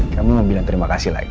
kamu bilang terima kasih lagi